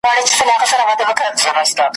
زه پوهېدم څوک به دي نه خبروي `